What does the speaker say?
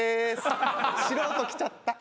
素人来ちゃった。